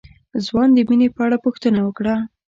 ځوان د مينې په اړه پوښتنه وکړه.